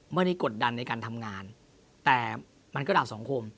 ไม่ได้กดดันในการทำงานแต่มันก็ด่าสังคม